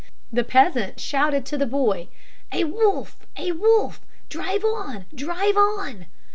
The peasant shouted to the boy, "A wolf, a wolf! Drive on, drive on!"